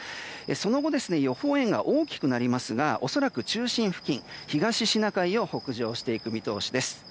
その後予報円が大きくなりますが恐らく中心付近、東シナ海を北上していく見通しです。